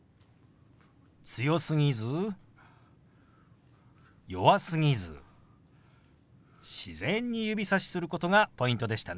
強すぎず弱すぎず自然に指さしすることがポイントでしたね。